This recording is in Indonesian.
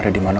yang ini ya